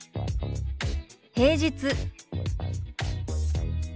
平日。